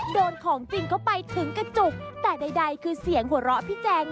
โดนของจริงเข้าไปถึงกระจุกแต่ใดคือเสียงหัวเราะพี่แจง